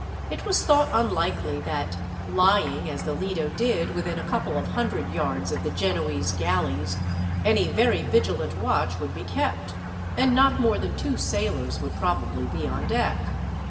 It was thought unlikely that, lying, as the Lido did, within a couple of hundred yards of the Genoese galleys, any very vigilant watch would be kept, and not more than two sailors would probably be on deck.